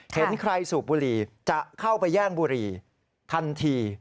เห็นใครสูบบุหรี่จะเข้าไปแย่งบุรีทันที